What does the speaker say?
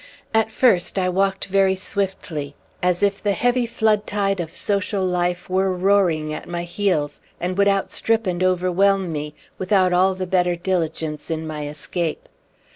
At first I walked very swiftly, as if the heavy flood tide of social life were roaring at my heels, and would outstrip and overwhelm me, without all the better diligence in my escape.